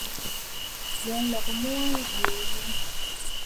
Ghɛ̀ɛ nlɔgə mu wa nzì nɨ ghu.